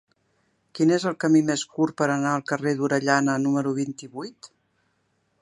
Quin és el camí més curt per anar al carrer d'Orellana número vint-i-vuit?